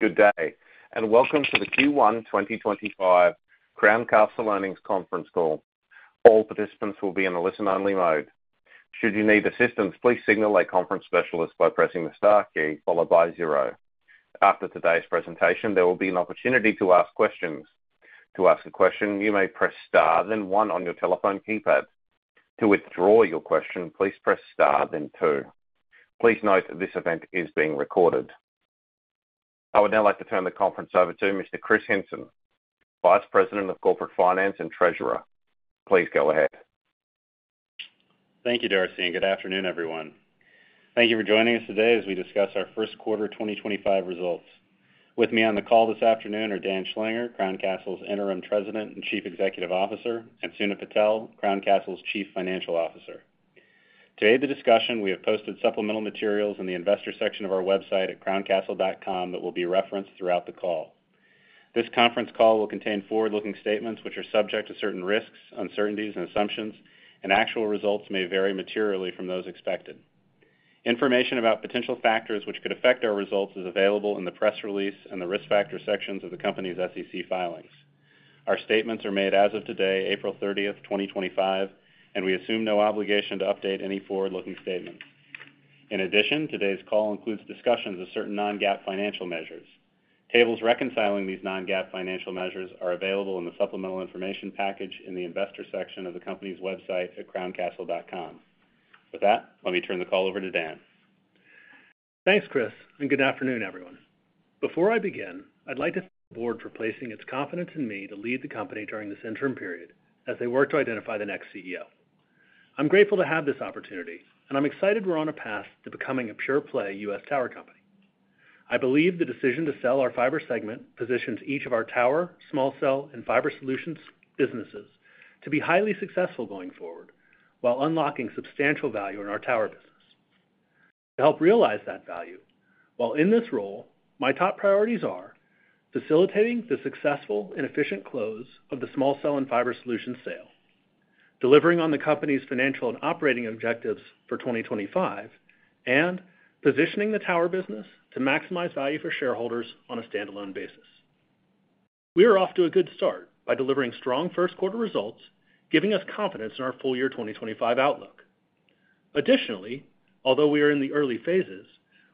Good day, and welcome to the Q1 2025 Crown Castle Earnings Conference Call. All participants will be in a listen-only mode. Should you need assistance, please signal a conference specialist by pressing the star key followed by zero. After today's presentation, there will be an opportunity to ask questions. To ask a question, you may press star, then one on your telephone keypad. To withdraw your question, please press star, then two. Please note that this event is being recorded. I would now like to turn the conference over to Mr. Kris Hinson, Vice President of Corporate Finance and Treasurer. Please go ahead. Thank you, Darcy, and good afternoon, everyone. Thank you for joining us today as we discuss our first quarter 2025 results. With me on the call this afternoon are Dan Schlanger, Crown Castle's Interim President and Chief Executive Officer, and Sunit Patel, Crown Castle's Chief Financial Officer. To aid the discussion, we have posted supplemental materials in the investor section of our website at crowncastle.com that will be referenced throughout the call. This conference call will contain forward-looking statements which are subject to certain risks, uncertainties, and assumptions, and actual results may vary materially from those expected. Information about potential factors which could affect our results is available in the press release and the risk factor sections of the company's SEC filings. Our statements are made as of today, April 30th, 2025, and we assume no obligation to update any forward-looking statements. In addition, today's call includes discussions of certain non-GAAP financial measures. Tables reconciling these non-GAAP financial measures are available in the supplemental information package in the investor section of the company's website at crowncastle.com. With that, let me turn the call over to Dan. Thanks, Kris, and good afternoon, everyone. Before I begin, I'd like to thank the board for placing its confidence in me to lead the company during this interim period as they work to identify the next CEO. I'm grateful to have this opportunity, and I'm excited we're on a path to becoming a pure-play U.S. tower company. I believe the decision to sell our Fiber segment positions each of our Tower, Small Cell, and Fiber Solutions businesses to be highly successful going forward while unlocking substantial value in our Tower business. To help realize that value, while in this role, my top priorities are facilitating the successful and efficient close of the Small Cell and Fiber Solutions sale, delivering on the company's financial and operating objectives for 2025, and positioning the tower business to maximize value for shareholders on a standalone basis. We are off to a good start by delivering strong first quarter results, giving us confidence in our full year 2025 outlook. Additionally, although we are in the early phases,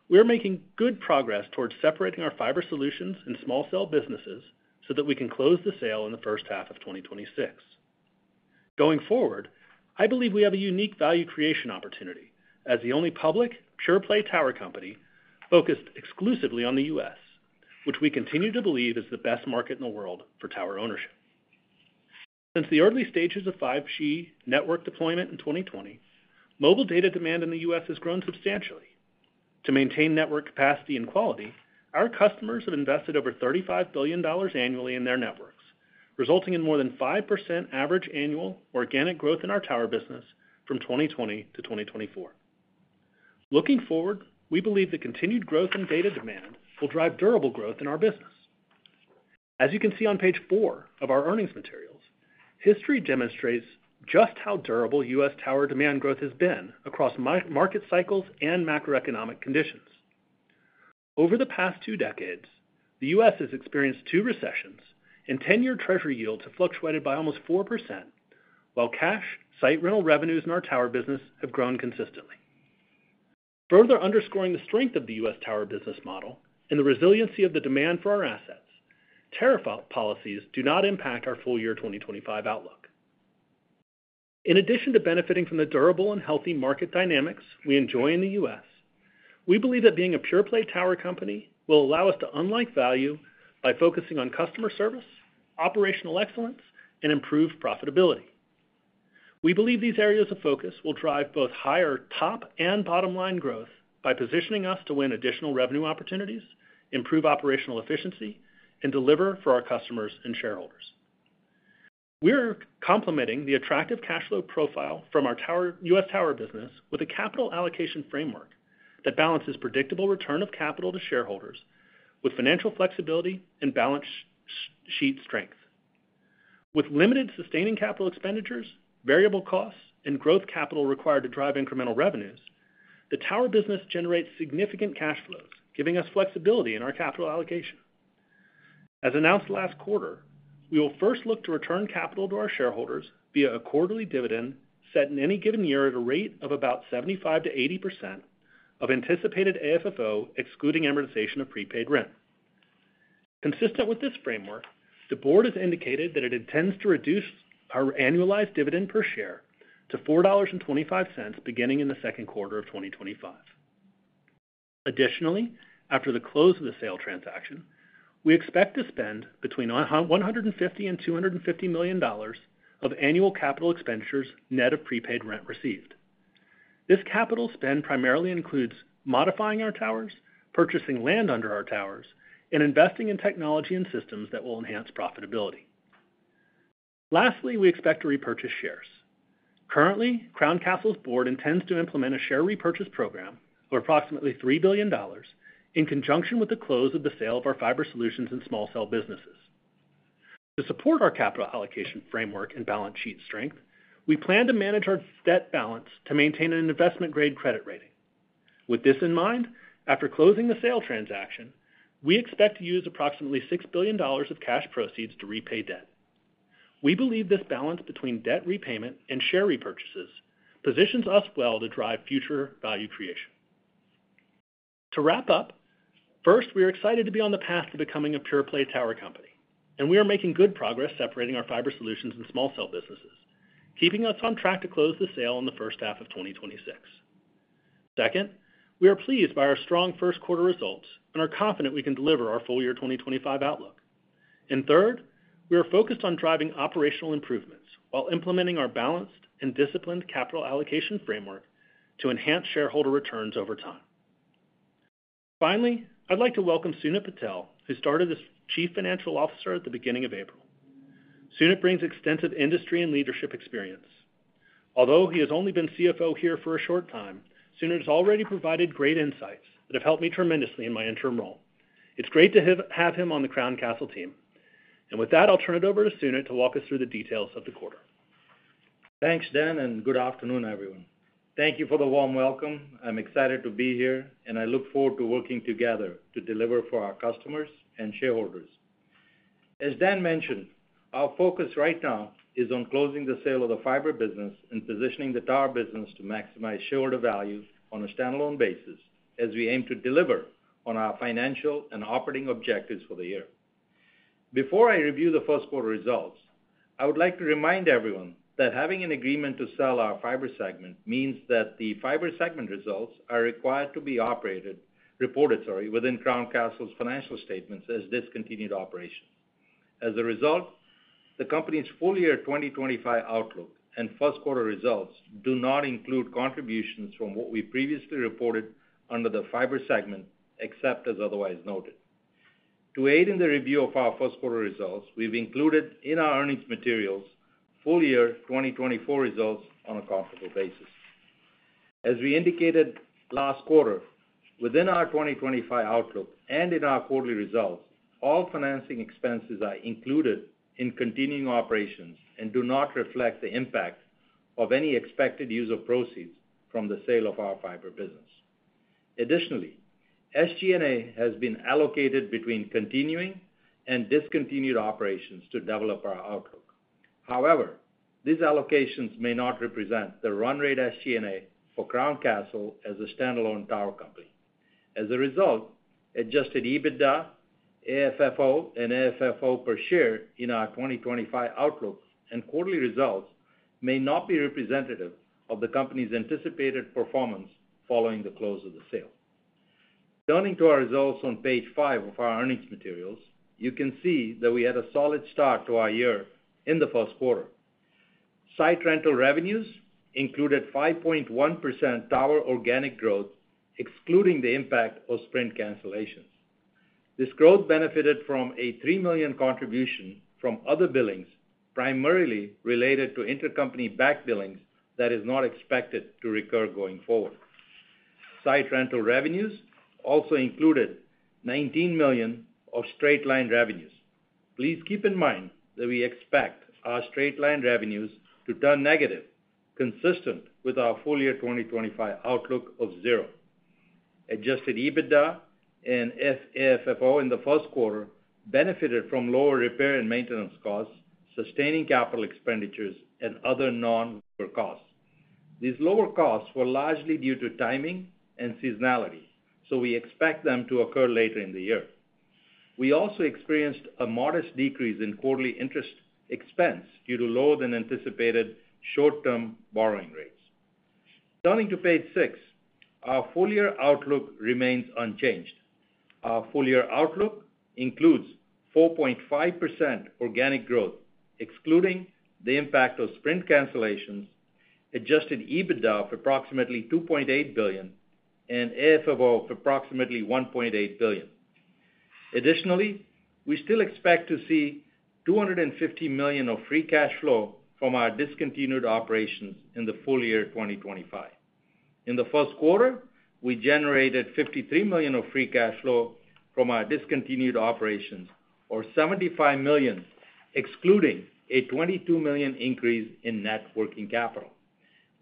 we are making good progress towards separating our Fiber Solutions and Small Cell businesses so that we can close the sale in the first half of 2026. Going forward, I believe we have a unique value creation opportunity as the only public, pure-play tower company focused exclusively on the U.S., which we continue to believe is the best market in the world for tower ownership. Since the early stages of 5G network deployment in 2020, mobile data demand in the U.S. has grown substantially. To maintain network capacity and quality, our customers have invested over $35 billion annually in their networks, resulting in more than 5% average annual organic growth in our Tower business from 2020 to 2024. Looking forward, we believe the continued growth in data demand will drive durable growth in our business. As you can see on page four of our earnings materials, history demonstrates just how durable U.S. tower demand growth has been across market cycles and macroeconomic conditions. Over the past two decades, the U.S. has experienced two recessions, and 10-year Treasury yields have fluctuated by almost 4%, while cash site rental revenues in our Tower business have grown consistently. Further underscoring the strength of the U.S. Tower business model and the resiliency of the demand for our assets, tariff policies do not impact our full year 2025 outlook. In addition to benefiting from the durable and healthy market dynamics we enjoy in the U.S., we believe that being a pure-play tower company will allow us to unlock value by focusing on customer service, operational excellence, and improved profitability. We believe these areas of focus will drive both higher top and bottom line growth by positioning us to win additional revenue opportunities, improve operational efficiency, and deliver for our customers and shareholders. We are complementing the attractive cash flow profile from our U.S. Tower business with a capital allocation framework that balances predictable return of capital to shareholders with financial flexibility and balance sheet strength. With limited sustaining capital expenditures, variable costs, and growth capital required to drive incremental revenues, the tower business generates significant cash flows, giving us flexibility in our capital allocation. As announced last quarter, we will first look to return capital to our shareholders via a quarterly dividend set in any given year at a rate of about 75% to 80% of anticipated AFFO, excluding amortization of prepaid rent. Consistent with this framework, the board has indicated that it intends to reduce our annualized dividend per share to $4.25 beginning in the second quarter of 2025. Additionally, after the close of the sale transaction, we expect to spend between $150 million and $250 million of annual capital expenditures net of prepaid rent received. This capital spend primarily includes modifying our towers, purchasing land under our towers, and investing in technology and systems that will enhance profitability. Lastly, we expect to repurchase shares. Currently, Crown Castle's board intends to implement a share repurchase program of approximately $3 billion in conjunction with the close of the sale of our Fiber Solutions and Small Cell businesses. To support our capital allocation framework and balance sheet strength, we plan to manage our debt balance to maintain an investment-grade credit rating. With this in mind, after closing the sale transaction, we expect to use approximately $6 billion of cash proceeds to repay debt. We believe this balance between debt repayment and share repurchases positions us well to drive future value creation. To wrap up, first, we are excited to be on the path to becoming a pure-play tower company, and we are making good progress separating our Fiber Solutions and Small Cell businesses, keeping us on track to close the sale in the first half of 2026. Second, we are pleased by our strong first quarter results and are confident we can deliver our full year 2025 outlook. Third, we are focused on driving operational improvements while implementing our balanced and disciplined capital allocation framework to enhance shareholder returns over time. Finally, I'd like to welcome Sunit Patel, who started as Chief Financial Officer at the beginning of April. Sunit brings extensive industry and leadership experience. Although he has only been CFO here for a short time, Sunit has already provided great insights that have helped me tremendously in my interim role. It is great to have him on the Crown Castle team. With that, I will turn it over to Sunit to walk us through the details of the quarter. Thanks, Dan, and good afternoon, everyone. Thank you for the warm welcome. I'm excited to be here, and I look forward to working together to deliver for our customers and shareholders. As Dan mentioned, our focus right now is on closing the sale of the Fiber business and positioning the tower business to maximize shareholder value on a standalone basis as we aim to deliver on our financial and operating objectives for the year. Before I review the first quarter results, I would like to remind everyone that having an agreement to sell our Fiber segment means that the Fiber segment results are required to be reported within Crown Castle's financial statements as discontinued operations. As a result, the company's full year 2025 outlook and first quarter results do not include contributions from what we previously reported under the Fiber segment, except as otherwise noted. To aid in the review of our first quarter results, we've included in our earnings materials full year 2024 results on a comparable basis. As we indicated last quarter, within our 2025 outlook and in our quarterly results, all financing expenses are included in continuing operations and do not reflect the impact of any expected use of proceeds from the sale of our Fiber business. Additionally, SG&A has been allocated between continuing and discontinued operations to develop our outlook. However, these allocations may not represent the run rate SG&A for Crown Castle as a standalone tower company. As a result, adjusted EBITDA, AFFO, and AFFO per share in our 2025 outlook and quarterly results may not be representative of the company's anticipated performance following the close of the sale. Turning to our results on page five of our earnings materials, you can see that we had a solid start to our year in the first quarter. Site rental revenues included 5.1% tower organic growth, excluding the impact of Sprint cancellations. This growth benefited from a $3 million contribution from other billings, primarily related to intercompany back billings that are not expected to recur going forward. Site rental revenues also included $19 million of straight-line revenues. Please keep in mind that we expect our straight-line revenues to turn negative, consistent with our full year 2025 outlook of zero. Adjusted EBITDA and AFFO in the first quarter benefited from lower repair and maintenance costs, sustaining capital expenditures, and other non-costs. These lower costs were largely due to timing and seasonality, so we expect them to occur later in the year. We also experienced a modest decrease in quarterly interest expense due to lower than anticipated short-term borrowing rates. Turning to page six, our full year outlook remains unchanged. Our full year outlook includes 4.5% organic growth, excluding the impact of Sprint Cancellations, adjusted EBITDA of approximately $2.8 billion, and AFFO of approximately $1.8 billion. Additionally, we still expect to see $250 million of free cash flow from our discontinued operations in the full year 2025. In the first quarter, we generated $53 million of free cash flow from our discontinued operations, or $75 million, excluding a $22 million increase in net working capital.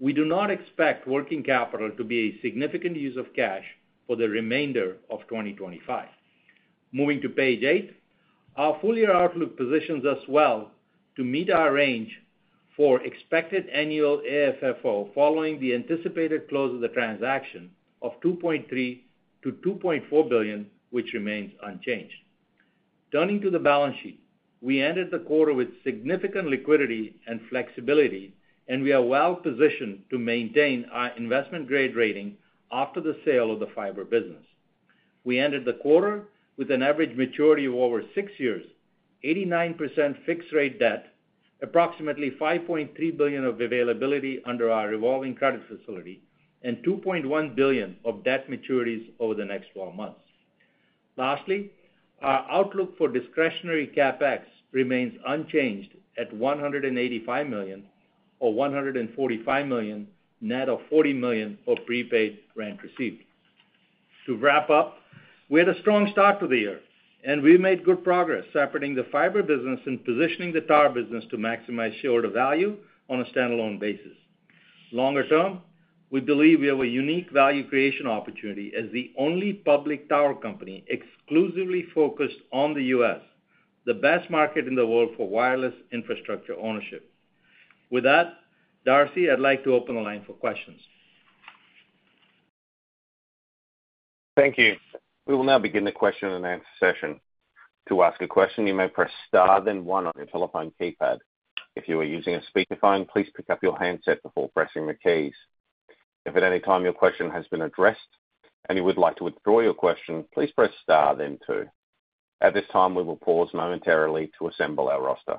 We do not expect working capital to be a significant use of cash for the remainder of 2025. Moving to page eight, our full year outlook positions us well to meet our range for expected annual AFFO following the anticipated close of the transaction of $2.3 billion-$2.4 billion, which remains unchanged. Turning to the balance sheet, we ended the quarter with significant liquidity and flexibility, and we are well positioned to maintain our investment-grade rating after the sale of the Fiber business. We ended the quarter with an average maturity of over six years, 89% fixed-rate debt, approximately $5.3 billion of availability under our revolving credit facility, and $2.1 billion of debt maturities over the next 12 months. Lastly, our outlook for discretionary CapEx remains unchanged at $185 million, or $145 million, net of $40 million of prepaid rent received. To wrap up, we had a strong start to the year, and we made good progress separating the Fiber business and positioning the Tower business to maximize shareholder value on a standalone basis. Longer term, we believe we have a unique value creation opportunity as the only public tower company exclusively focused on the U.S., the best market in the world for wireless infrastructure ownership. With that, Darcy, I'd like to open the line for questions. Thank you. We will now begin the question and answer session. To ask a question, you may press star then one on your telephone keypad. If you are using a speakerphone, please pick up your handset before pressing the keys. If at any time your question has been addressed and you would like to withdraw your question, please press star then two. At this time, we will pause momentarily to assemble our roster.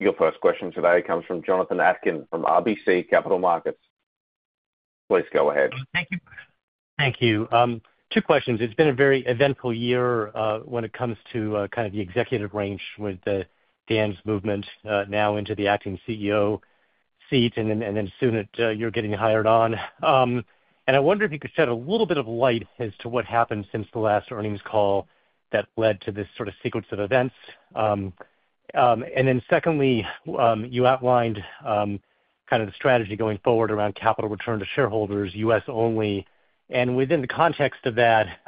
Your first question today comes from Jonathan Atkin from RBC Capital Markets. Please go ahead. Thank you. Thank you. Two questions. It's been a very eventful year when it comes to kind of the executive range with Dan's movement now into the acting CEO seat, and then Sunit, you're getting hired on. I wonder if you could shed a little bit of light as to what happened since the last earnings call that led to this sort of sequence of events. Secondly, you outlined kind of the strategy going forward around capital return to shareholders, U.S. only. Within the context of that,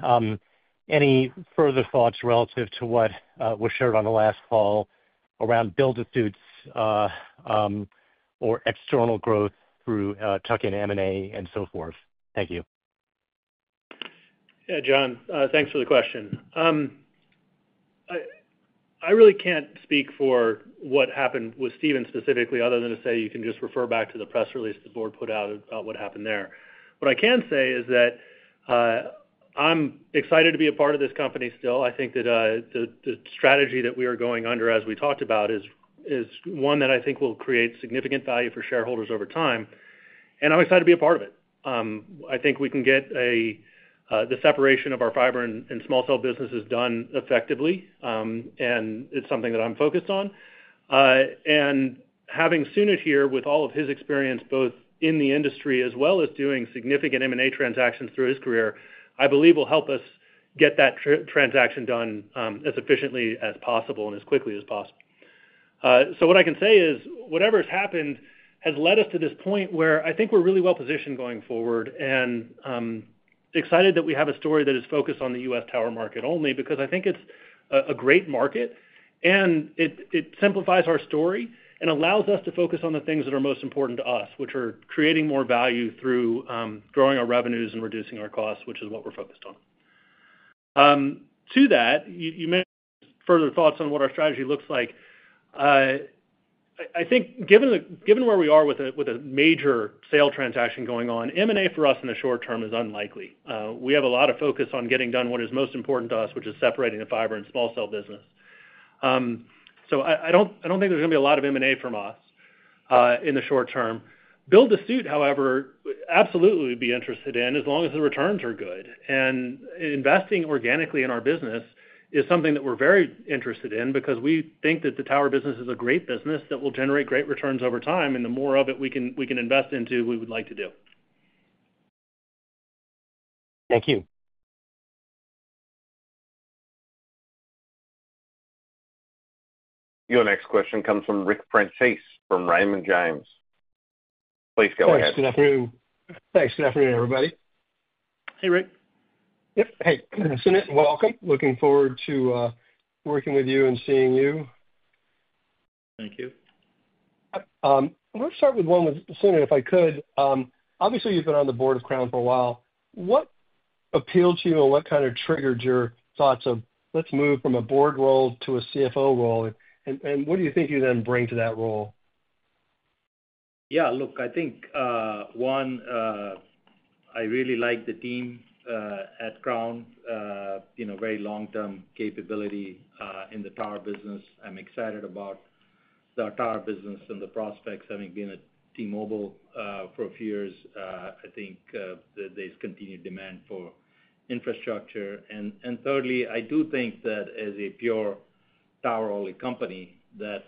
any further thoughts relative to what was shared on the last call around build-to-suits or external growth through tuck-in M&A and so forth? Thank you. Yeah, John, thanks for the question. I really can't speak for what happened with Steven specifically other than to say you can just refer back to the press release the board put out about what happened there. What I can say is that I'm excited to be a part of this company still. I think that the strategy that we are going under, as we talked about, is one that I think will create significant value for shareholders over time. I am excited to be a part of it. I think we can get the separation of our Fiber and Small Cell businesses done effectively, and it's something that I'm focused on. Having Sunit here with all of his experience both in the industry as well as doing significant M&A transactions through his career, I believe will help us get that transaction done as efficiently as possible and as quickly as possible. What I can say is whatever has happened has led us to this point where I think we're really well positioned going forward. I am excited that we have a story that is focused on the U.S. tower market only because I think it's a great market, and it simplifies our story and allows us to focus on the things that are most important to us, which are creating more value through growing our revenues and reducing our costs, which is what we're focused on. To that, you mentioned further thoughts on what our strategy looks like. I think given where we are with a major sale transaction going on, M&A for us in the short term is unlikely. We have a lot of focus on getting done what is most important to us, which is separating the Fiber and Small Cell business. I do not think there's going to be a lot of M&A from us in the short term. Build-to-suit, however, absolutely would be interested in as long as the returns are good. Investing organically in our business is something that we're very interested in because we think that the tower business is a great business that will generate great returns over time, and the more of it we can invest into, we would like to do. Thank you. Your next question comes from Ric Prentiss from Raymond James. Please go ahead. Thanks. Good afternoon. Thanks. Good afternoon, everybody. Hey, Ric. Yep. Hey. Sunit, welcome. Looking forward to working with you and seeing you. Thank you. Let's start with one with Sunit, if I could. Obviously, you've been on the board of Crown for a while. What appealed to you and what kind of triggered your thoughts of, "Let's move from a board role to a CFO role"? What do you think you then bring to that role? Yeah. Look, I think, one, I really like the team at Crown, very long-term capability in the tower business. I'm excited about the tower business and the prospects. Having been at T-Mobile for a few years, I think there's continued demand for infrastructure. Thirdly, I do think that as a pure tower-only company, that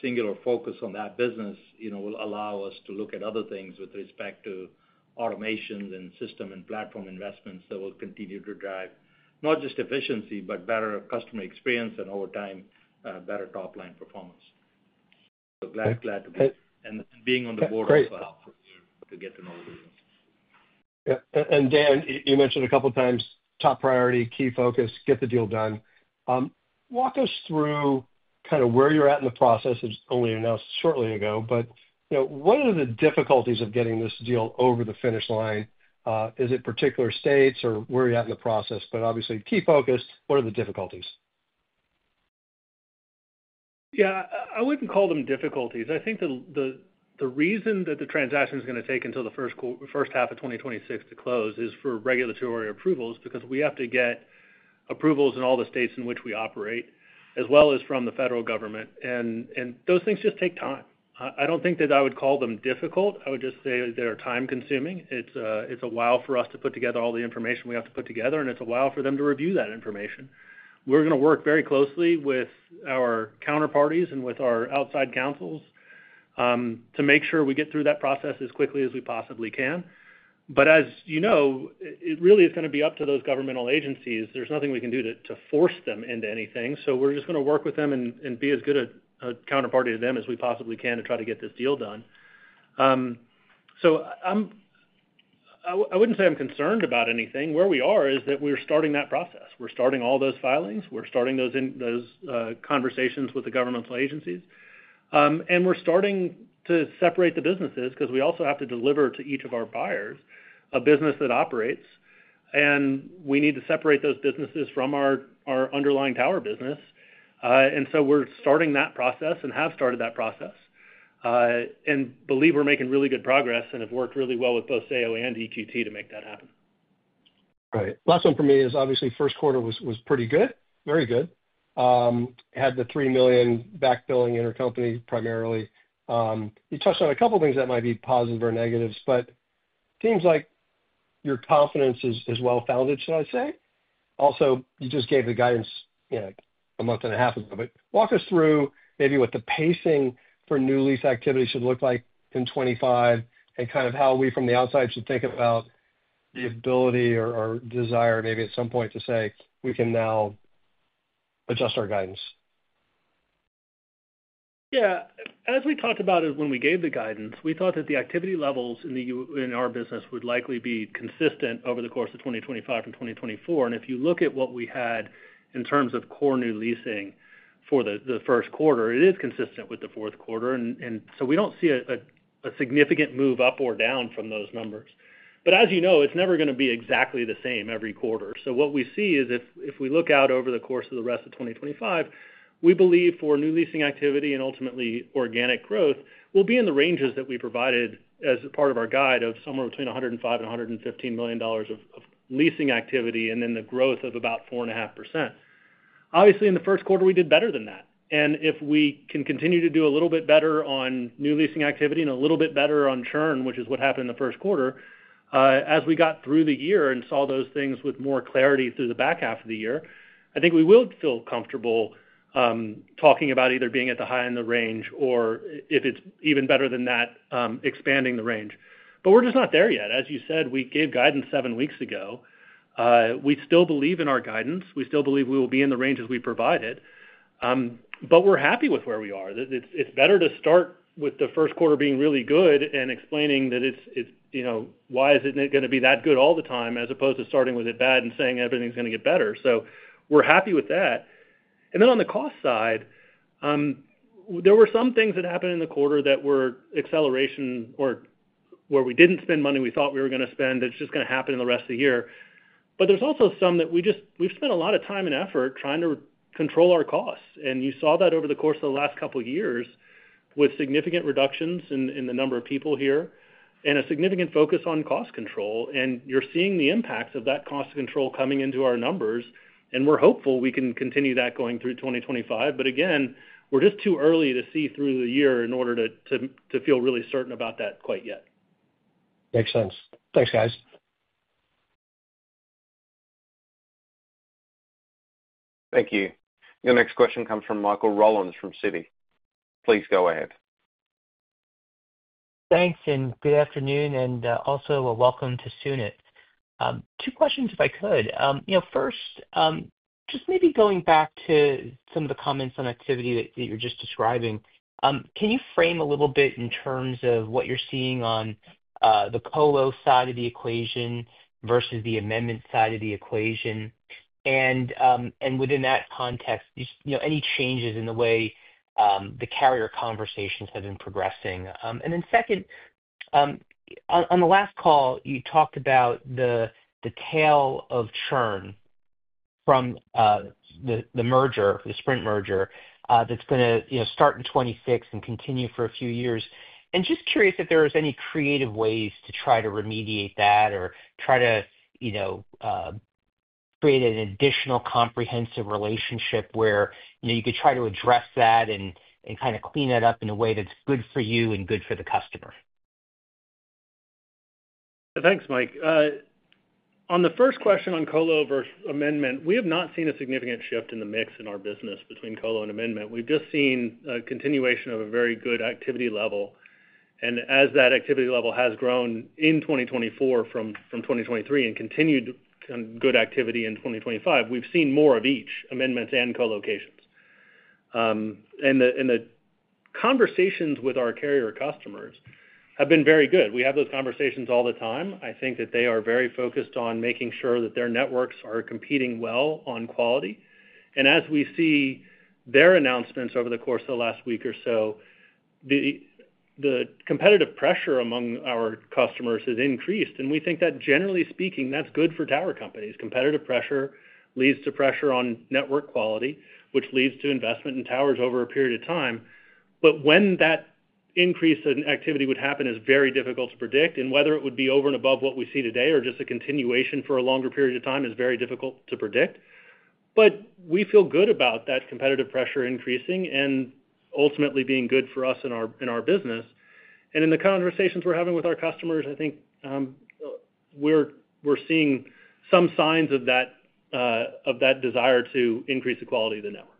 singular focus on that business will allow us to look at other things with respect to automations and system and platform investments that will continue to drive not just efficiency, but better customer experience and over time, better top-line performance. Glad to be and being on the board also helped to get to know the business. Dan, you mentioned a couple of times, top priority, key focus, get the deal done. Walk us through kind of where you're at in the process. It was only announced shortly ago. What are the difficulties of getting this deal over the finish line? Is it particular states or where are you at in the process? Obviously, key focus, what are the difficulties? Yeah. I would not call them difficulties. I think the reason that the transaction is going to take until the first half of 2026 to close is for regulatory approvals because we have to get approvals in all the states in which we operate, as well as from the federal government. Those things just take time. I do not think that I would call them difficult. I would just say they are time-consuming. It is a while for us to put together all the information we have to put together, and it is a while for them to review that information. We are going to work very closely with our counterparties and with our outside counsels to make sure we get through that process as quickly as we possibly can. As you know, it really is going to be up to those governmental agencies. There is nothing we can do to force them into anything. We're just going to work with them and be as good a counterparty to them as we possibly can to try to get this deal done. I wouldn't say I'm concerned about anything. Where we are is that we're starting that process. We're starting all those filings. We're starting those conversations with the governmental agencies. We're starting to separate the businesses because we also have to deliver to each of our buyers a business that operates. We need to separate those businesses from our underlying tower business. We're starting that process and have started that process and believe we're making really good progress and have worked really well with both Zayo and EQT to make that happen. Right. Last one for me is obviously first quarter was pretty good, very good. Had the $3 million back billing intercompany primarily. You touched on a couple of things that might be positive or negatives, but it seems like your confidence is well-founded, should I say. Also, you just gave the guidance a month and a half ago. Walk us through maybe what the pacing for new lease activity should look like in 2025 and kind of how we from the outside should think about the ability or desire maybe at some point to say, "We can now adjust our guidance. Yeah. As we talked about it when we gave the guidance, we thought that the activity levels in our business would likely be consistent over the course of 2025 and 2024. If you look at what we had in terms of core new leasing for the first quarter, it is consistent with the fourth quarter. We do not see a significant move up or down from those numbers. As you know, it is never going to be exactly the same every quarter. What we see is if we look out over the course of the rest of 2025, we believe for new leasing activity and ultimately organic growth, we will be in the ranges that we provided as part of our guide of somewhere between $105 million and $115 million of leasing activity and then the growth of about 4.5%. Obviously, in the first quarter, we did better than that. If we can continue to do a little bit better on new leasing activity and a little bit better on churn, which is what happened in the first quarter, as we got through the year and saw those things with more clarity through the back half of the year, I think we will feel comfortable talking about either being at the high end of the range or, if it's even better than that, expanding the range. We are just not there yet. As you said, we gave guidance seven weeks ago. We still believe in our guidance. We still believe we will be in the range as we provide it. We are happy with where we are. It's better to start with the first quarter being really good and explaining that it's why is it going to be that good all the time as opposed to starting with it bad and saying everything's going to get better. We are happy with that. On the cost side, there were some things that happened in the quarter that were acceleration or where we did not spend money we thought we were going to spend. It is just going to happen in the rest of the year. There is also some that we have spent a lot of time and effort trying to control our costs. You saw that over the course of the last couple of years with significant reductions in the number of people here and a significant focus on cost control. You are seeing the impacts of that cost control coming into our numbers. We're hopeful we can continue that going through 2025. Again, we're just too early to see through the year in order to feel really certain about that quite yet. Makes sense. Thanks, guys. Thank you. Your next question comes from Michael Rollins from Citi. Please go ahead. Thanks. Good afternoon. Also, welcome to Sunit. Two questions if I could. First, just maybe going back to some of the comments on activity that you're just describing, can you frame a little bit in terms of what you're seeing on the co-lo side of the equation versus the amendment side of the equation? Within that context, any changes in the way the carrier conversations have been progressing? Second, on the last call, you talked about the tail of churn from the merger, the Sprint merger that's going to start in 2026 and continue for a few years. Just curious if there are any creative ways to try to remediate that or try to create an additional comprehensive relationship where you could try to address that and kind of clean that up in a way that's good for you and good for the customer. Thanks, Michael. On the first question on co-lo versus amendment, we have not seen a significant shift in the mix in our business between co-lo and amendment. We've just seen a continuation of a very good activity level. As that activity level has grown in 2024 from 2023 and continued good activity in 2025, we've seen more of each, amendments and co-locations. The conversations with our carrier customers have been very good. We have those conversations all the time. I think that they are very focused on making sure that their networks are competing well on quality. As we see their announcements over the course of the last week or so, the competitive pressure among our customers has increased. We think that generally speaking, that's good for tower companies. Competitive pressure leads to pressure on network quality, which leads to investment in towers over a period of time. When that increase in activity would happen is very difficult to predict. Whether it would be over and above what we see today or just a continuation for a longer period of time is very difficult to predict. We feel good about that competitive pressure increasing and ultimately being good for us in our business. In the conversations we are having with our customers, I think we are seeing some signs of that desire to increase the quality of the network.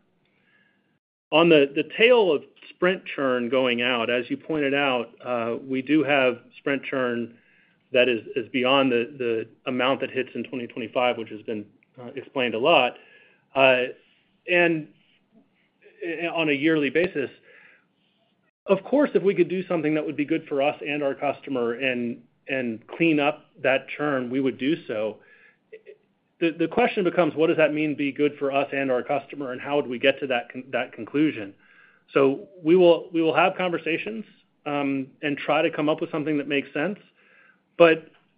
On the tail of Sprint churn going out, as you pointed out, we do have Sprint churn that is beyond the amount that hits in 2025, which has been explained a lot. On a yearly basis, of course, if we could do something that would be good for us and our customer and clean up that churn, we would do so. The question becomes, what does that mean be good for us and our customer? How would we get to that conclusion? We will have conversations and try to come up with something that makes sense.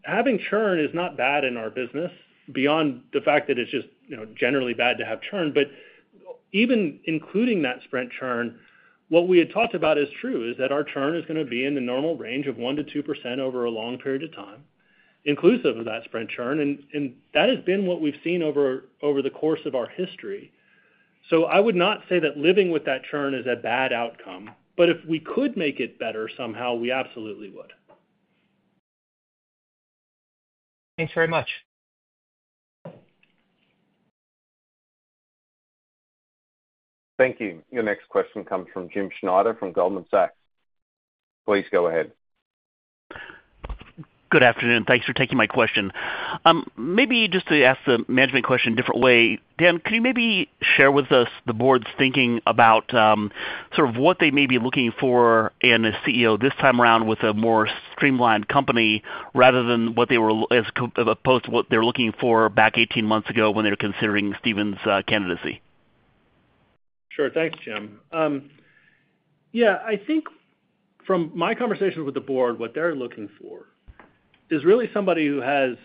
Having churn is not bad in our business beyond the fact that it's just generally bad to have churn. Even including that Sprint churn, what we had talked about is true, that our churn is going to be in the normal range of 1-2% over a long period of time, inclusive of that Sprint churn. That has been what we've seen over the course of our history. I would not say that living with that churn is a bad outcome. But if we could make it better somehow, we absolutely would. Thanks very much. Thank you. Your next question comes from Jim Schneider from Goldman Sachs. Please go ahead. Good afternoon. Thanks for taking my question. Maybe just to ask the management question a different way. Dan, can you maybe share with us the board's thinking about sort of what they may be looking for in a CEO this time around with a more streamlined company rather than what they were as opposed to what they were looking for back 18 months ago when they were considering Steven's candidacy? Sure. Thanks, Jim. Yeah. I think from my conversations with the board, what they're looking for is really somebody who has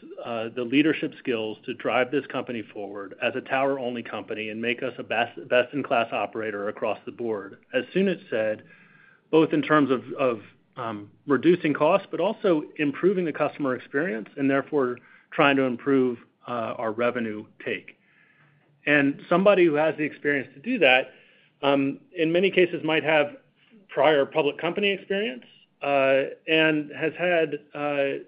the leadership skills to drive this company forward as a tower-only company and make us a best-in-class operator across the board, as Sunit said, both in terms of reducing costs, but also improving the customer experience and therefore trying to improve our revenue take. And somebody who has the experience to do that, in many cases, might have prior public company experience and has had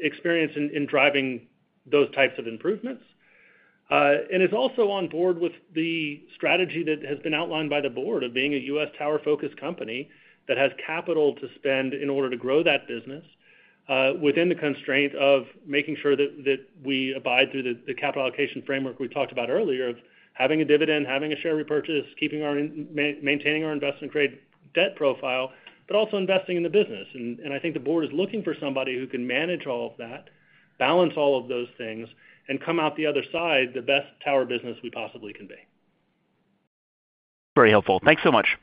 experience in driving those types of improvements. He is also on board with the strategy that has been outlined by the board of being a U.S. tower-focused company that has capital to spend in order to grow that business within the constraint of making sure that we abide through the capital allocation framework we talked about earlier of having a dividend, having a share repurchase, maintaining our investment-grade debt profile, but also investing in the business. I think the board is looking for somebody who can manage all of that, balance all of those things, and come out the other side the best tower business we possibly can be. That's very helpful. Thanks so much.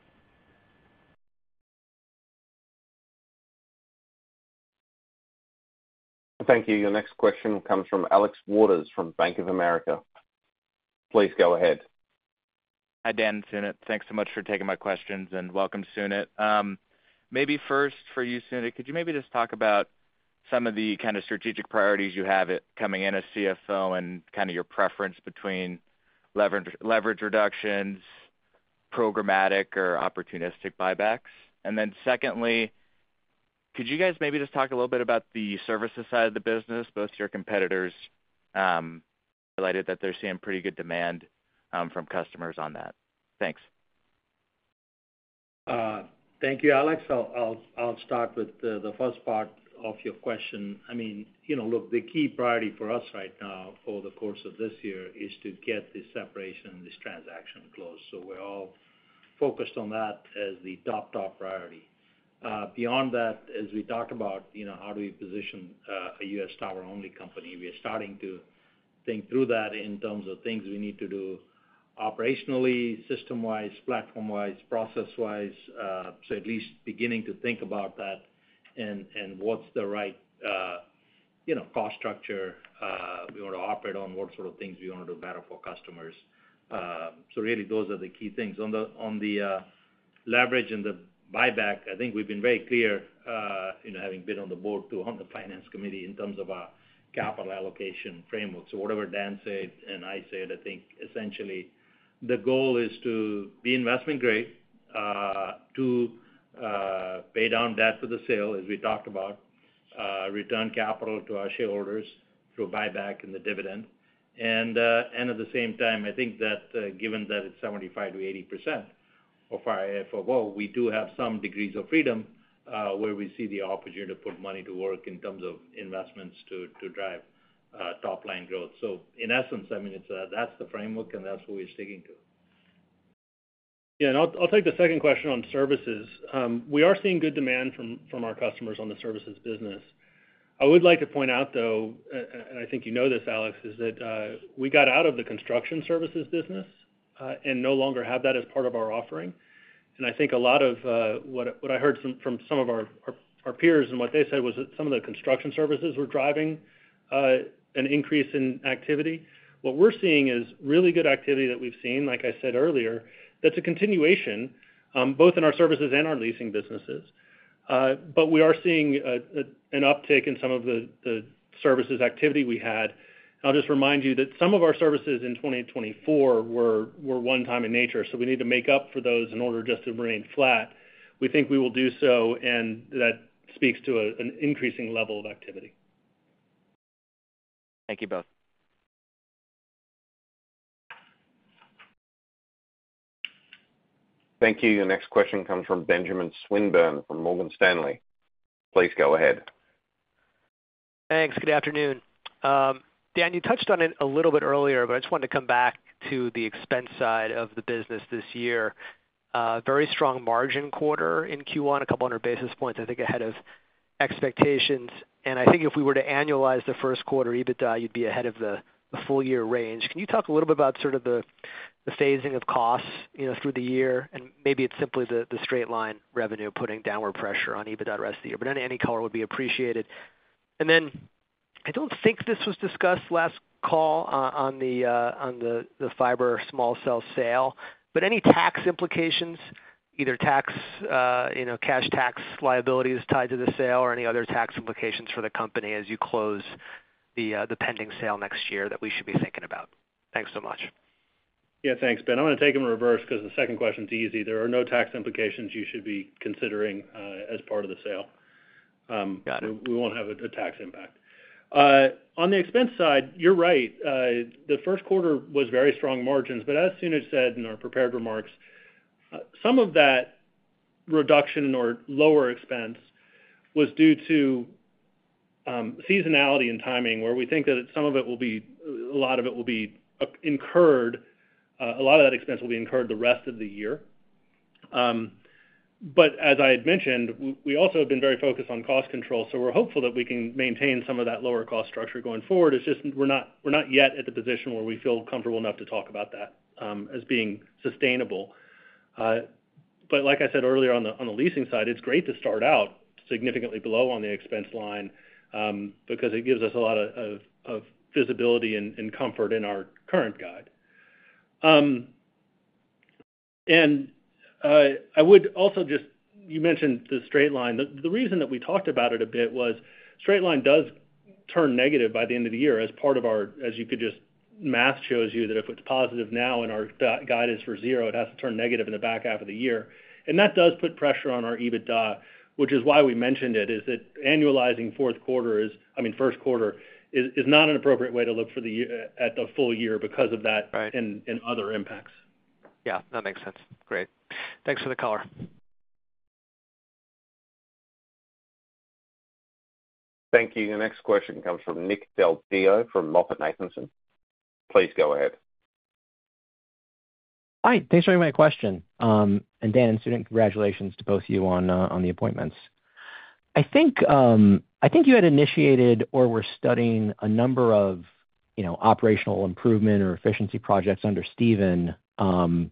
Thank you. Your next question comes from Alex Waters from Bank of America. Please go ahead. Hi, Dan. Thanks so much for taking my questions. Welcome, Sunit. Maybe first for you, Sunit, could you maybe just talk about some of the kind of strategic priorities you have coming in as CFO and kind of your preference between leverage reductions, programmatic or opportunistic buybacks? Secondly, could you guys maybe just talk a little bit about the services side of the business, both your competitors related that they're seeing pretty good demand from customers on that? Thanks. Thank you, Alex. I'll start with the first part of your question. I mean, look, the key priority for us right now over the course of this year is to get this separation and this transaction closed. We're all focused on that as the top, top priority. Beyond that, as we talk about how do we position a U.S. tower-only company, we are starting to think through that in terms of things we need to do operationally, system-wise, platform-wise, process-wise. At least beginning to think about that and what's the right cost structure we want to operate on, what sort of things we want to do better for customers. Really, those are the key things. On the leverage and the buyback, I think we've been very clear, having been on the board too, on the finance committee in terms of our capital allocation framework. Whatever Dan said and I said, I think essentially the goal is to be investment-grade, to pay down debt for the sale, as we talked about, return capital to our shareholders through buyback and the dividend. At the same time, I think that given that it's 75%-80% of our AFFO, we do have some degrees of freedom where we see the opportunity to put money to work in terms of investments to drive top-line growth. In essence, I mean, that's the framework and that's what we're sticking to. Yeah. I'll take the second question on services. We are seeing good demand from our customers on the services business. I would like to point out, though, and I think you know this, Alex, that we got out of the construction services business and no longer have that as part of our offering. I think a lot of what I heard from some of our peers and what they said was that some of the construction services were driving an increase in activity. What we are seeing is really good activity that we've seen, like I said earlier, that's a continuation both in our services and our leasing businesses. We are seeing an uptick in some of the services activity we had. I'll just remind you that some of our services in 2024 were one-time in nature. We need to make up for those in order just to remain flat. We think we will do so. That speaks to an increasing level of activity. Thank you both. Thank you. Your next question comes from Benjamin Swinburne from Morgan Stanley. Please go ahead. Thanks. Good afternoon. Dan, you touched on it a little bit earlier, but I just wanted to come back to the expense side of the business this year. Very strong margin quarter in Q1, a couple hundred basis points, I think, ahead of expectations. I think if we were to annualize the first quarter EBITDA, you'd be ahead of the full-year range. Can you talk a little bit about sort of the phasing of costs through the year? Maybe it's simply the straight-line revenue putting downward pressure on EBITDA the rest of the year, but any color would be appreciated. I don't think this was discussed last call on the Fiber, Small Cell sale, but any tax implications, either cash tax liabilities tied to the sale or any other tax implications for the company as you close the pending sale next year that we should be thinking about? Thanks so much. Yeah. Thanks, Ben. I'm going to take them reverse because the second question's easy. There are no tax implications you should be considering as part of the sale. We won't have a tax impact. On the expense side, you're right. The first quarter was very strong margins. As Sunit said in our prepared remarks, some of that reduction or lower expense was due to seasonality and timing where we think that some of it will be, a lot of it will be incurred. A lot of that expense will be incurred the rest of the year. As I had mentioned, we also have been very focused on cost control. We're hopeful that we can maintain some of that lower-cost structure going forward. It's just we're not yet at the position where we feel comfortable enough to talk about that as being sustainable. Like I said earlier on the leasing side, it's great to start out significantly below on the expense line because it gives us a lot of visibility and comfort in our current guide. I would also just, you mentioned the straight line. The reason that we talked about it a bit was straight line does turn negative by the end of the year as part of our, as you could just, math shows you that if it's positive now and our guide is for zero, it has to turn negative in the back half of the year. That does put pressure on our EBITDA, which is why we mentioned it, is that annualizing first quarter is not an appropriate way to look at the full year because of that and other impacts. Yeah. That makes sense. Great. Thanks for the color. Thank you. Your next question comes from Nick Del Deo from MoffettNathanson. Please go ahead. Hi. Thanks for taking my question. Dan, and Sunit, congratulations to both of you on the appointments. I think you had initiated or were studying a number of operational improvement or efficiency projects under Steven, kind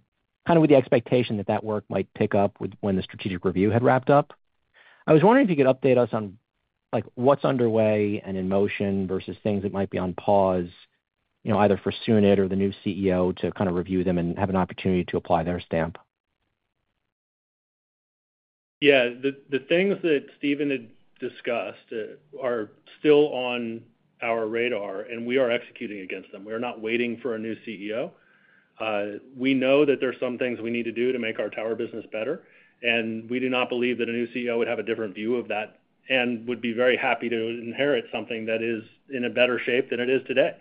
of with the expectation that that work might pick up when the strategic review had wrapped up. I was wondering if you could update us on what's underway and in motion versus things that might be on pause, either for Sunit or the new CEO, to kind of review them and have an opportunity to apply their stamp. Yeah. The things that Steven had discussed are still on our radar, and we are executing against them. We are not waiting for a new CEO. We know that there are some things we need to do to make our tower business better. We do not believe that a new CEO would have a different view of that and would be very happy to inherit something that is in a better shape than it is today.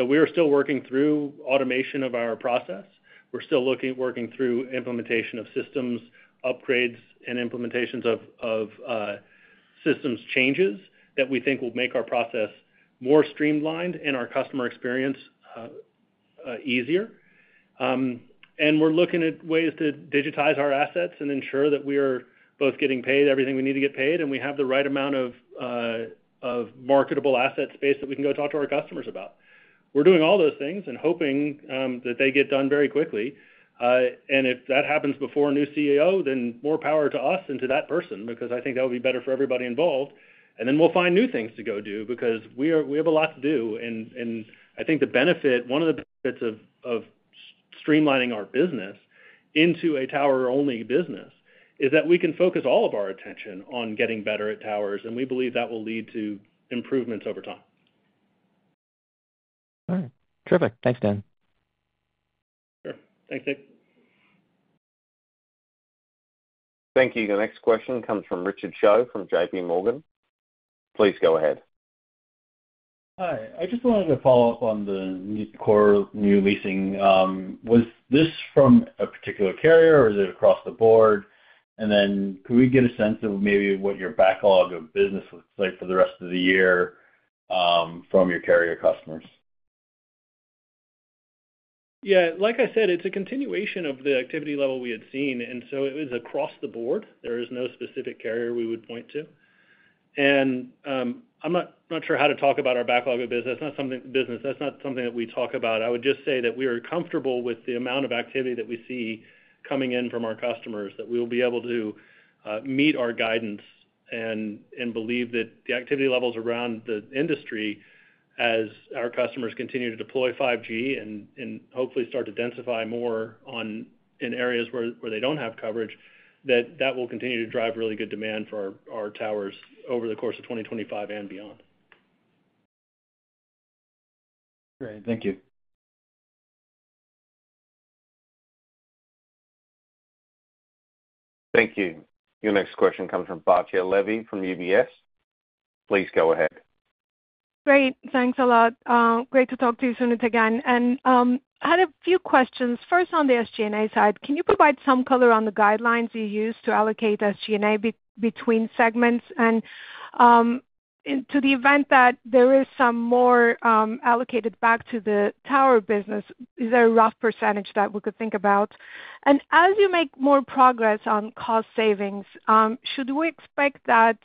We are still working through automation of our process. We're still working through implementation of systems upgrades and implementations of systems changes that we think will make our process more streamlined and our customer experience easier. We are looking at ways to digitize our assets and ensure that we are both getting paid everything we need to get paid and we have the right amount of marketable asset space that we can go talk to our customers about. We are doing all those things and hoping that they get done very quickly. If that happens before a new CEO, more power to us and to that person because I think that will be better for everybody involved. We will find new things to go do because we have a lot to do. I think the benefit, one of the benefits, of streamlining our business into a tower-only business is that we can focus all of our attention on getting better at towers. We believe that will lead to improvements over time. All right. Terrific. Thanks, Dan. Sure. Thanks, Nick. Thank you. Your next question comes from Richard Choe from JPMorgan. Please go ahead. Hi. I just wanted to follow up on the new core new leasing. Was this from a particular carrier or is it across the board? Could we get a sense of maybe what your backlog of business looks like for the rest of the year from your carrier customers? Yeah. Like I said, it's a continuation of the activity level we had seen. It was across the board. There is no specific carrier we would point to. I'm not sure how to talk about our backlog of business. That's not something that we talk about. I would just say that we are comfortable with the amount of activity that we see coming in from our customers, that we will be able to meet our guidance and believe that the activity levels around the industry, as our customers continue to deploy 5G and hopefully start to densify more in areas where they don't have coverage, that that will continue to drive really good demand for our towers over the course of 2025 and beyond. Great. Thank you. Thank you. Your next question comes from Batya Levi from UBS. Please go ahead. Great. Thanks a lot. Great to talk to you, Sunit, again. I had a few questions. First, on the SG&A side, can you provide some color on the guidelines you use to allocate SG&A between segments? To the event that there is some more allocated back to the tower business, is there a rough percentage that we could think about? As you make more progress on cost savings, should we expect that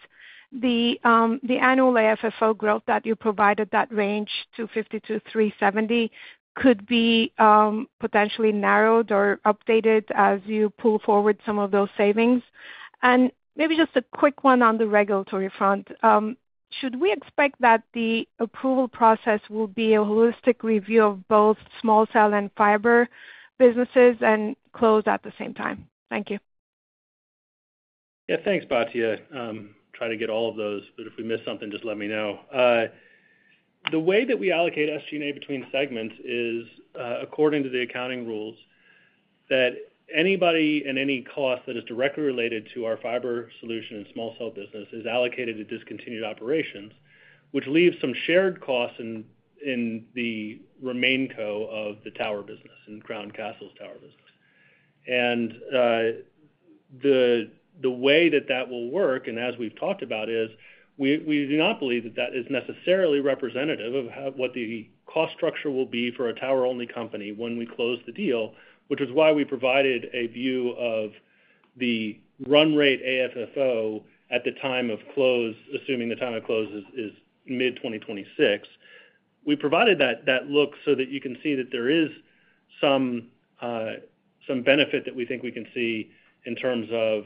the annual AFFO growth that you provided, that range $250-$370, could be potentially narrowed or updated as you pull forward some of those savings? Maybe just a quick one on the regulatory front. Should we expect that the approval process will be a holistic review of both Small Cell and Fiber businesses and close at the same time? Thank you. Yeah. Thanks, Batya. Try to get all of those. If we miss something, just let me know. The way that we allocate SG&A between segments is, according to the accounting rules, that anybody and any cost that is directly related to our Fiber Solutions and Small Cells business is allocated to discontinued operations, which leaves some shared costs in the remains of the Tower business and Crown Castle's tower business. The way that that will work, as we've talked about, is we do not believe that that is necessarily representative of what the cost structure will be for a tower-only company when we close the deal, which is why we provided a view of the run rate AFFO at the time of close, assuming the time of close is mid-2026. We provided that look so that you can see that there is some benefit that we think we can see in terms of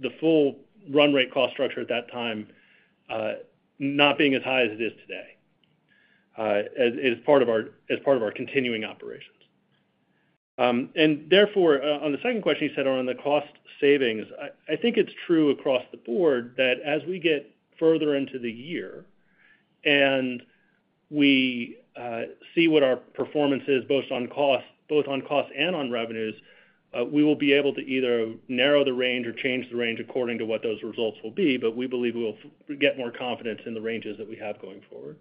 the full run rate cost structure at that time not being as high as it is today as part of our continuing operations. Therefore, on the second question you said around the cost savings, I think it's true across the board that as we get further into the year and we see what our performance is both on cost and on revenues, we will be able to either narrow the range or change the range according to what those results will be. We believe we will get more confidence in the ranges that we have going forward.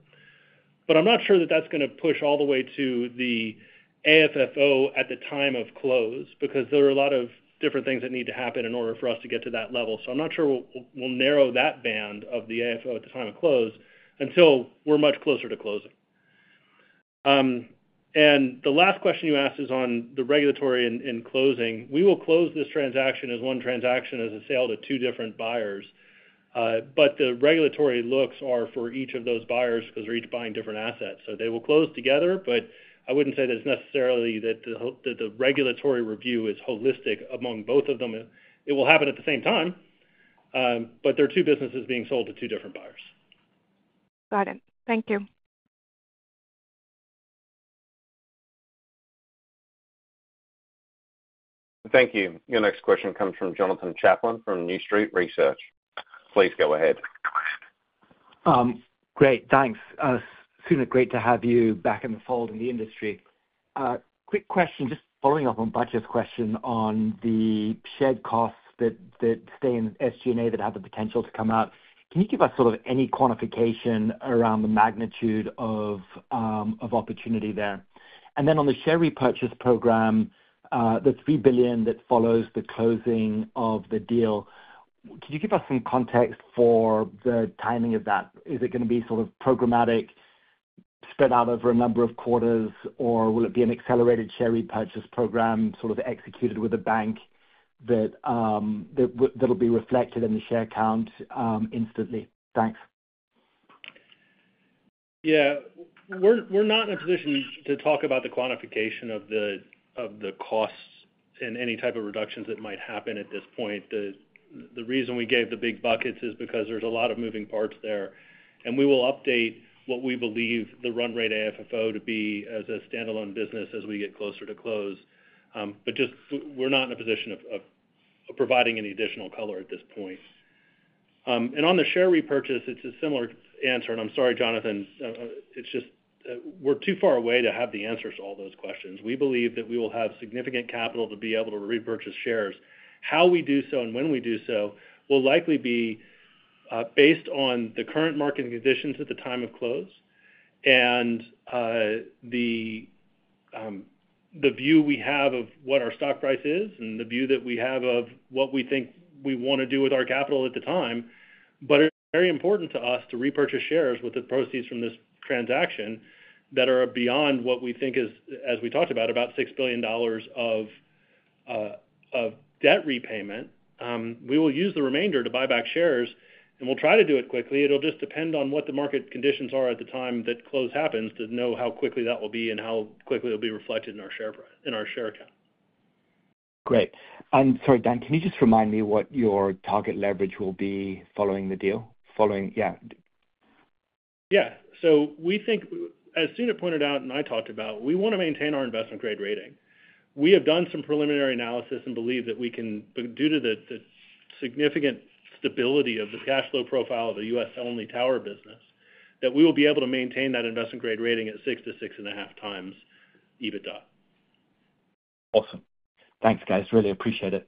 I'm not sure that that's going to push all the way to the AFFO at the time of close because there are a lot of different things that need to happen in order for us to get to that level. I'm not sure we'll narrow that band of the AFFO at the time of close until we're much closer to closing. The last question you asked is on the regulatory and closing. We will close this transaction as one transaction as a sale to two different buyers. The regulatory looks are for each of those buyers because they're each buying different assets. They will close together. I wouldn't say that's necessarily that the regulatory review is holistic among both of them. It will happen at the same time. There are two businesses being sold to two different buyers. Got it. Thank you. Thank you. Your next question comes from Jonathan Chaplin from New Street Research. Please go ahead. Great. Thanks. Sunit, great to have you back in the fold in the industry. Quick question, just following up on Batya's question on the shared costs that stay in SG&A that have the potential to come out. Can you give us sort of any quantification around the magnitude of opportunity there? Then on the share repurchase program, the $3 billion that follows the closing of the deal, could you give us some context for the timing of that? Is it going to be sort of programmatic spread out over a number of quarters, or will it be an accelerated share repurchase program sort of executed with a bank that'll be reflected in the share count instantly? Thanks. Yeah. We're not in a position to talk about the quantification of the costs and any type of reductions that might happen at this point. The reason we gave the big buckets is because there's a lot of moving parts there. We will update what we believe the run rate AFFO to be as a standalone business as we get closer to close. We're not in a position of providing any additional color at this point. On the share repurchase, it's a similar answer. I'm sorry, Jonathan. It's just we're too far away to have the answers to all those questions. We believe that we will have significant capital to be able to repurchase shares. How we do so and when we do so will likely be based on the current market conditions at the time of close and the view we have of what our stock price is and the view that we have of what we think we want to do with our capital at the time. It is very important to us to repurchase shares with the proceeds from this transaction that are beyond what we think is, as we talked about, about $6 billion of debt repayment. We will use the remainder to buy back shares. We will try to do it quickly. It will just depend on what the market conditions are at the time that close happens to know how quickly that will be and how quickly it will be reflected in our share count. Great. Sorry, Dan, can you just remind me what your target leverage will be following the deal? Yeah. Yeah. So we think, as Sunit pointed out and I talked about, we want to maintain our investment-grade rating. We have done some preliminary analysis and believe that we can, due to the significant stability of the cash flow profile of the U.S.-only tower business, that we will be able to maintain that investment-grade rating at 6-6.5 times EBITDA. Awesome. Thanks, guys. Really appreciate it.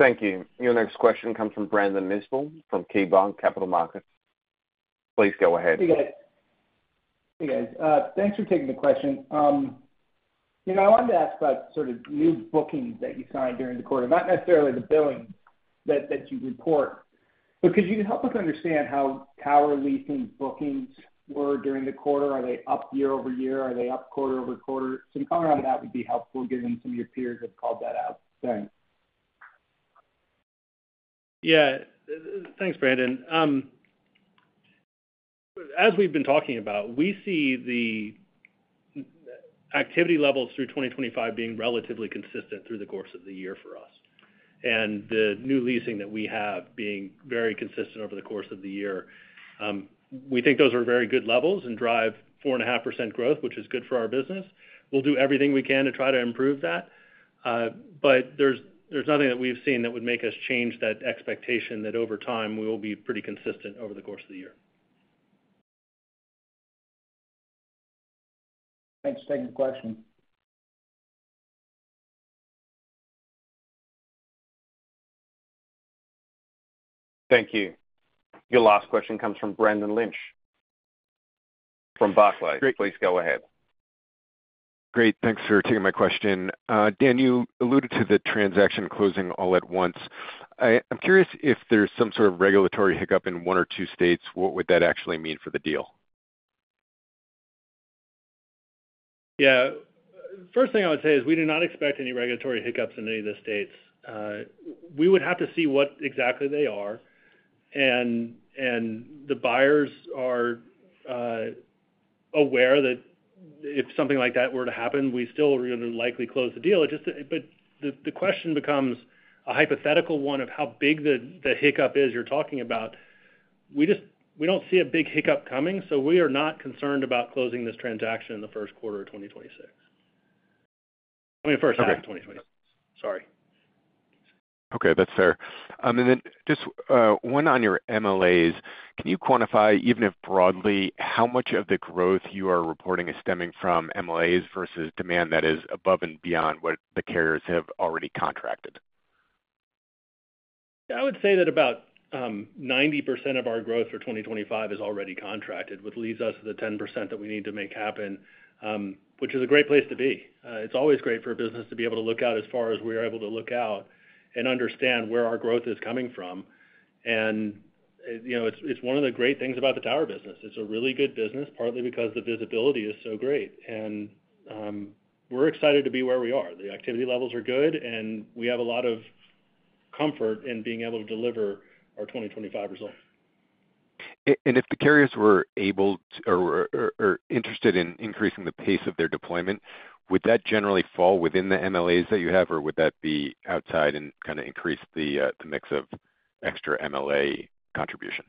Thank you. Your next question comes from Brandon Nispel from KeyBanc Capital Markets. Please go ahead. Hey, guys. Thanks for taking the question. I wanted to ask about sort of new bookings that you signed during the quarter, not necessarily the billing that you report. Could you help us understand how tower leasing bookings were during the quarter? Are they up year-over-year? Are they up quarter-over-quarter? Some color on that would be helpful given some of your peers have called that out. Thanks. Yeah. Thanks, Brandon. As we've been talking about, we see the activity levels through 2025 being relatively consistent through the course of the year for us. The new leasing that we have being very consistent over the course of the year, we think those are very good levels and drive 4.5% growth, which is good for our business. We'll do everything we can to try to improve that. There's nothing that we've seen that would make us change that expectation that over time we will be pretty consistent over the course of the year. Thanks for taking the question. Thank you. Your last question comes from Brendan Lynch from Barclays. Please go ahead. Great. Thanks for taking my question. Dan, you alluded to the transaction closing all at once. I'm curious if there's some sort of regulatory hiccup in one or two states, what would that actually mean for the deal? Yeah. First thing I would say is we do not expect any regulatory hiccups in any of the states. We would have to see what exactly they are. The buyers are aware that if something like that were to happen, we still are going to likely close the deal. The question becomes a hypothetical one of how big the hiccup is you're talking about. We don't see a big hiccup coming. We are not concerned about closing this transaction in the first quarter of 2026. I mean, first half of 2026. Sorry. Okay. That's fair. Then just one on your MLAs. Can you quantify, even if broadly, how much of the growth you are reporting is stemming from MLAs versus demand that is above and beyond what the carriers have already contracted? I would say that about 90% of our growth for 2025 is already contracted, which leaves us the 10% that we need to make happen, which is a great place to be. It's always great for a business to be able to look out as far as we are able to look out and understand where our growth is coming from. It's one of the great things about the tower business. It's a really good business, partly because the visibility is so great. We're excited to be where we are. The activity levels are good. We have a lot of comfort in being able to deliver our 2025 results. If the carriers were able or interested in increasing the pace of their deployment, would that generally fall within the MLAs that you have, or would that be outside and kind of increase the mix of extra MLA contribution?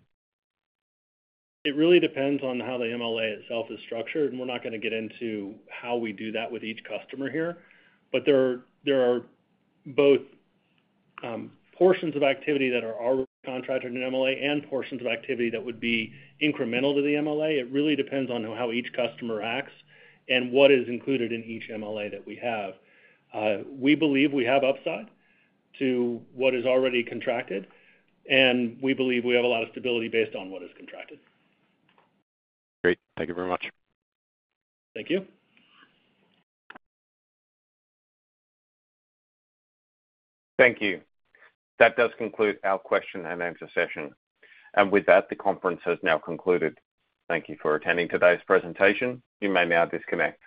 It really depends on how the MLA itself is structured. We are not going to get into how we do that with each customer here. There are both portions of activity that are already contracted in MLA and portions of activity that would be incremental to the MLA. It really depends on how each customer acts and what is included in each MLA that we have. We believe we have upside to what is already contracted. We believe we have a lot of stability based on what is contracted. Great. Thank you very much. Thank you. Thank you. That does conclude our question and answer session. With that, the conference has now concluded. Thank you for attending today's presentation. You may now disconnect.